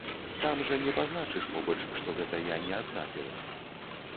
Там жа не пазначыш побач, што гэта я не адна піла.